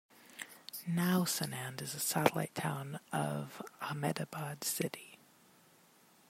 Now, Sanand is a satellite town of Ahmedabad city.